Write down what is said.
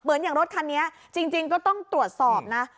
อย่างรถคันนี้จริงก็ต้องตรวจสอบนะ